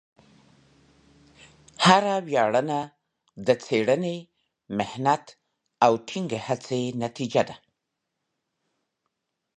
هره ویاړنه د څېړنې، محنت، او ټینګې هڅې نتیجه ده.